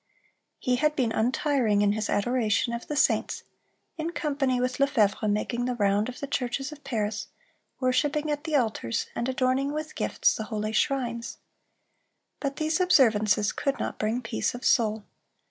(318) He had been untiring in his adoration of the saints, in company with Lefevre making the round of the churches of Paris, worshiping at the altars, and adorning with gifts the holy shrines. But these observances could not bring peace of soul.